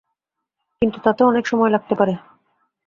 কিন্তু তাতে অনেক সময় লাগতে পারে।